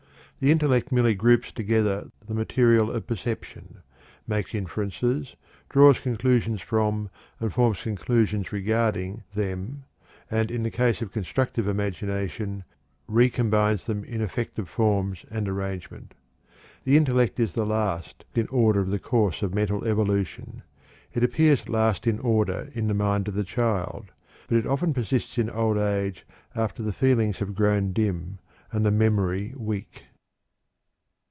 The intellect merely groups together the material of perception, makes inferences, draws conclusions from, and forms conclusions regarding, them, and in the case of constructive imagination recombines them in effective forms and arrangement. The intellect is the last in order in the course of mental evolution. It appears last in order in the mind of the child, but it often persists in old age after the feelings have grown dim and the memory weak.